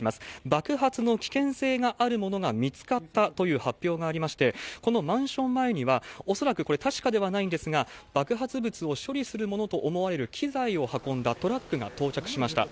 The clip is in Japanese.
爆発の危険性があるものが見つかったという発表がありまして、このマンション前には、恐らくこれ、確かではないんですが、爆発物を処理するものと思われる機材を運んだトラックが到着しました。